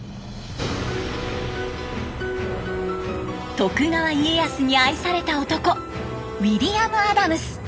徳川家康に愛された男ウィリアム・アダムス。